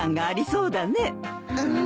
うん。